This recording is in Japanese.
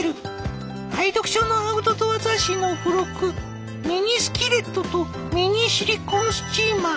愛読書のアウトドア雑誌の付録ミニスキレットとミニシリコンスチーマー。